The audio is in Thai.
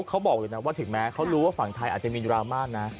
เขาบอกเลยนะว่าถึงแม้เขารู้ว่าฝั่งไทยอาจจะมีดราม่านะ